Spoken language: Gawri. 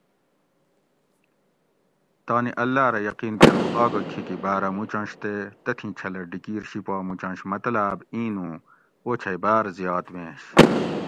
تانی اللّٰہ رہ یقین کۤر اُوں آگہ کھیکی باۤرہ مُچنش تے تتھیں چھلہ ڈِکیر شی پا مُچنش مطلاۤب اِیں نُوں اوچھئ باۤر زیات وینش